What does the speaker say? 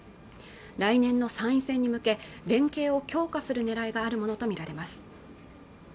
来年の参院選に向け連携を強化する狙いがあるものと見られます